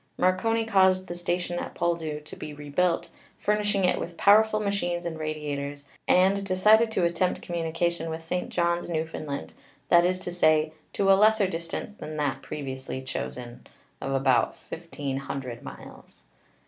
Marconi caused the station at Poldhu to be rebuilt, fur nishing it with powerful machines and radiators, and decided to attempt communication with St. Johns, New foundland; that is to say, to a lesser distance than that previously chosen, viz., of about 1,500 miles.